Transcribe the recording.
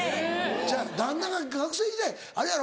ちゃう旦那が学生時代あれやろ？